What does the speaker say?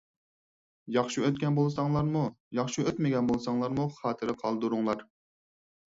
ياخشى ئۆتكەن بولساڭلارمۇ، ياخشى ئۆتمىگەن بولساڭلارمۇ خاتىرە قالدۇرۇڭلار.